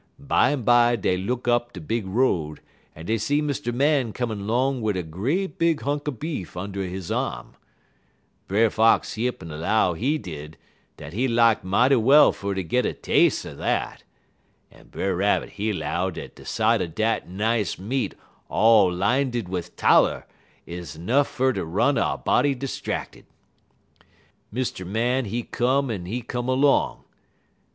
Bimeby dey look up de big road, en dey see Mr. Man comin' 'long wid a great big hunk er beef und' he arm. Brer Fox he up 'n 'low, he did, dat he lak mighty well fer ter git a tas'e er dat, en Brer Rabbit he 'low dat de sight er dat nice meat all lineded wid taller is nuff fer ter run a body 'stracted. "Mr. Man he come en he come 'long.